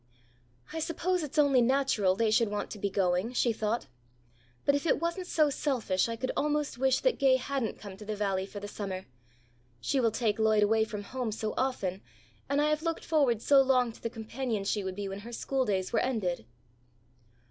"I suppose it's only natural they should want to be going," she thought. "But if it wasn't so selfish I could almost wish that Gay hadn't come to the Valley for the summer. She will take Lloyd away from home so often, and I have looked forward so long to the companion she would be when her school days were ended."